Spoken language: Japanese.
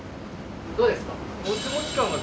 どうですか？